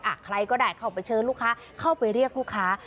ใครก็ได้เข้าไปเชิญลูกค้าเข้าไปเรียกลูกค้า